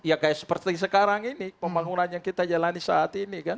ya kayak seperti sekarang ini pembangunan yang kita jalani saat ini kan